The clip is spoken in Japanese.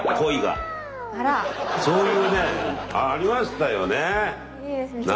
そういうねありましたよね。